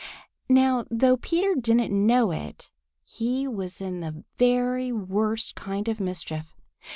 Now though Peter didn't know it, he was in the very worst kind of mischief.